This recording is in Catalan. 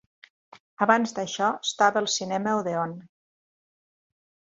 Abans d'això, estava al cinema Odeon.